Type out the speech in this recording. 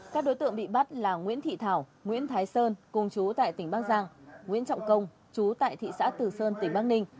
các đối tượng bị bắt là nguyễn thị thảo nguyễn thái sơn cung chú tại tỉnh bắc giang nguyễn trọng công chú tại thị xã tử sơn tỉnh bắc ninh